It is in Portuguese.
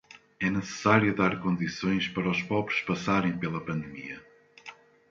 É necessário dar condições para os pobres passarem pela pandemia